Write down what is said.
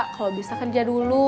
kalo bisa kerja dulu